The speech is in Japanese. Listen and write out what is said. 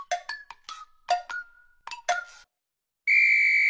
ピッ！